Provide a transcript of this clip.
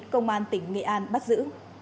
công an tỉnh nghệ an bắt giữ